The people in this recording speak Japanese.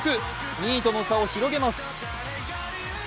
２位との差を広げます。